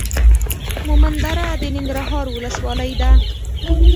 مومندره د ننګرهار ولسوالۍ ده.